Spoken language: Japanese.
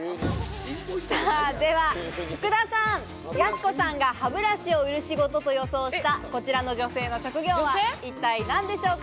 では福田さん、やす子さんが歯ブラシを売る仕事と予想したこちらの女性の職業は一体何でしょうか？